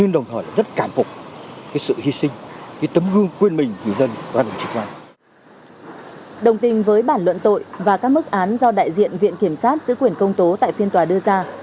đồng tình với bản luận tội và các mức án do đại diện viện kiểm sát giữ quyền công tố tại phiên tòa đưa ra